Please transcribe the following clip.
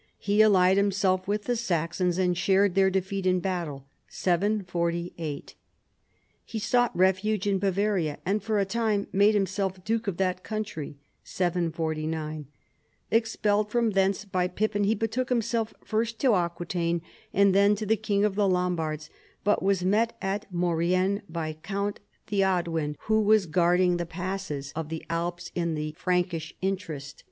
He allied himself with the Saxons and shared their defeat in battle (748) ; he sought refuge in Bavaria, and f(^r a time made himself duke of that country (749) ; expelled from thence by Pipi)in he betook himself first to Aquitaine and then to the Kins: of the Lombards, but was met at Maurienne by Count Theodowin, who was guarding the passes PIPPIN, KING OF THE FRANKS. 71 of the Alps in the Frankish interest.